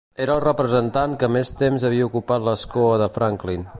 Era el representant que més temps havia ocupat l'escó de Franklin.